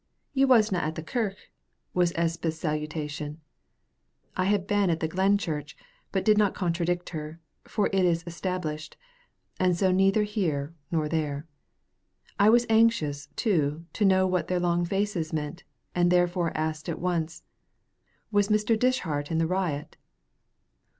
"You wasna at the kirk," was Elspeth's salutation. I had been at the glen church, but did not contradict her, for it is Established, and so neither here nor there. I was anxious, too, to know what their long faces meant, and therefore asked at once, "Was Mr. Dishart on the riot?"